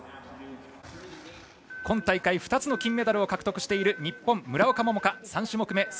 今大会２つの金メダルを獲得している日本、村岡桃佳、３種目め。